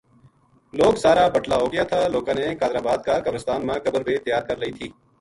لوک سارا بَٹلا ہو گیا تھا لوکاں نے قادرآباد کا قبرستان ما قبر بے تیا ر کر لئی تھی